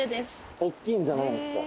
おっきいんじゃないですか？